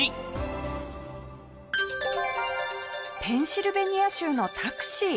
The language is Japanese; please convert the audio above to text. ペンシルベニア州のタクシー。